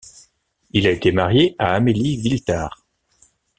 Il a été marié à Amélie Villetard.